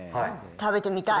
食べてみたい。